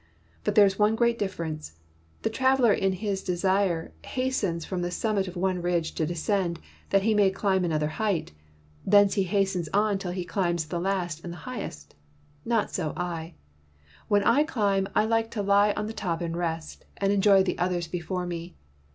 But there is one great dif ference. The traveler in his desire hastens 168 TEACHING MAKES NEW MEN from the summit of one ridge to descend, that he may climb another height; thence he hastens on till he climbs the last and highest. Not so I. When I climb I like to lie on the top and rest, and enjoj^ the others before me.